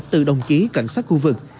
từ các đồng chí cảnh sát khu vực